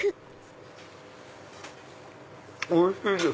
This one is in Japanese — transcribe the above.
おいしいです！